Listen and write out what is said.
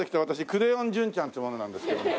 クレヨン純ちゃんっていう者なんですけども。